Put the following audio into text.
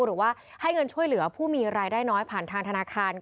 หรือว่าให้เงินช่วยเหลือผู้มีรายได้น้อยผ่านทางธนาคาร